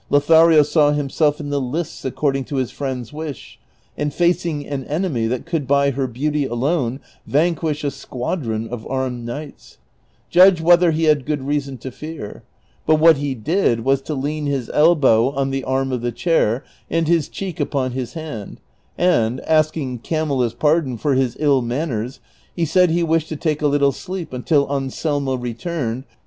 Lothario saw himself in the lists according to his friend's wish, and facing an enemy that could by hei beauty alone vanquish a squadron of armed knights; judge Avhether he had good reason to fear; but what he did \\"as to lean his elljow on the arm of the chair, and his cheek upon his hand, and, asking Camilla's pardon for his ill man ners, he said he wished to take a little sleep until Anselmo returned.